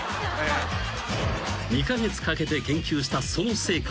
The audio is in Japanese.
［２カ月かけて研究したその成果